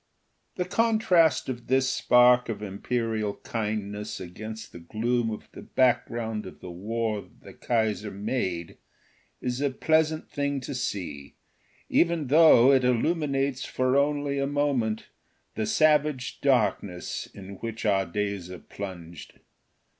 The contrast of this spark of imperial kindness against the gloom of the background of the war that the Kaiser made is a pleasant thing to see, even though it illuminates for only a moment the savage darkness in which our days are plunged.